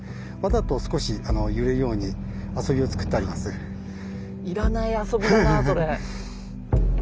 実はいらない遊びだなそれ。